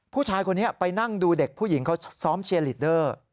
ผู้ชายคนนี้ไปนั่งดูเด็กผู้หญิงเขาซ้อมเชียร์ลีดเดอร์